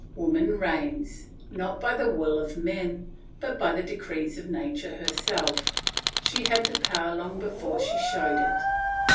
Woman reigns, not by the will of man, but by the decrees of nature herself; she had the power long before she showed it.